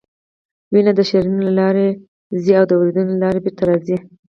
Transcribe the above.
وینه د شریانونو له لارې ځي او د وریدونو له لارې بیرته راځي